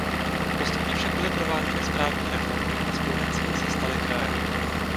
Postupně však byly prováděny správní reformy a z provincií se staly kraje.